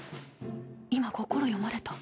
今心読まれた？